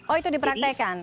oh itu dipraktekkan